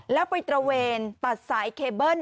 แล้วไปตระเวนตัดสายเคเบิ้ล